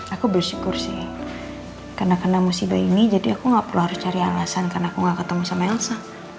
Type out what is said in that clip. aku bersyukur sih karena kena musibah ini jadi aku gak perlu harus cari alasan karena aku gak ketemu sama elsa